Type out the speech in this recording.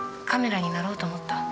カメラになろうと思った。